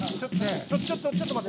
ちょっとちょっと待って。